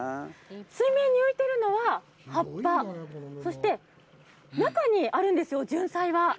水面に浮いてるのは葉っぱ、そして、中にあるんですよ、ジュンサイは。